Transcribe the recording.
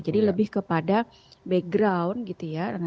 jadi lebih kepada background gitu ya